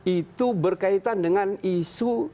itu berkaitan dengan isu